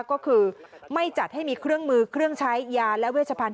ก็คือไม่จัดให้มีเครื่องมือเครื่องใช้ยาและเวชพันธ